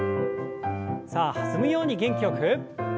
さあ弾むように元気よく。